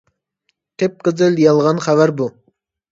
قىپقىزىل يالغان خەۋەر بۇ!